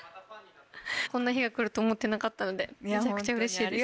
こんな日が来ると思ってなかったのでめちゃくちゃうれしいです。